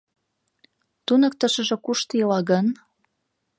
Туныктышыжо кушто ила гын?..